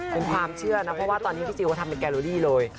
เป็นความเชื่อนะเพราะว่าตอนนี้พี่จิลเขาทำเป็นแกโลลี่เลย